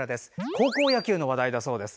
高校野球の話題だそうです。